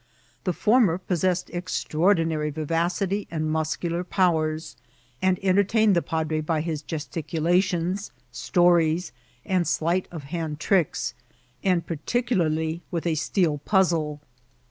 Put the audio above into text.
The former possessed extraordinary vivacity and muscular powers, and entertained the padre by his gesticulations, stories, and sleight of hand tricks, and particularly with 176 IKCIDBHTS OF TK1.TBL. a ited poflzla.